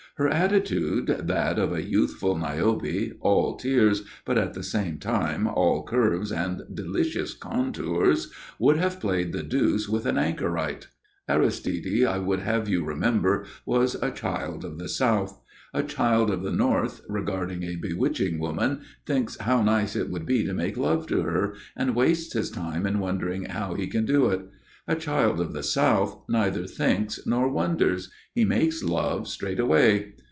Her attitude, that of a youthful Niobe, all tears, but at the same time all curves and delicious contours, would have played the deuce with an anchorite. Aristide, I would have you remember, was a child of the South. A child of the North, regarding a bewitching woman, thinks how nice it would be to make love to her, and wastes his time in wondering how he can do it. A child of the South neither thinks nor wonders; he makes love straight away.